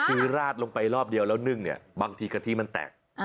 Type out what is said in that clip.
คือราดลงไปรอบเดียวแล้วนึ่งเนี่ยบางทีกะทิมันแตก